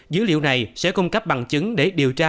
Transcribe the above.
dữ liệu này sẽ cung cấp bằng chứng để điều tra